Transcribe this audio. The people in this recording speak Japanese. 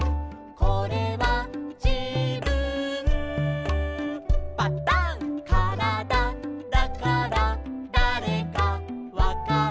「これはじぶんパタン」「からだだからだれかわかる」